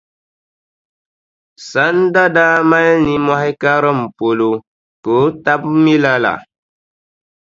Sanda daa mali nimmohi karim polo ka o taba mi lala.